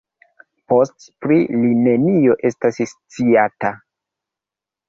Poste pri li nenio estas sciata.